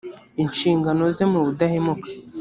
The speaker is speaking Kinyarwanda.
inshingano ze mu budahemuka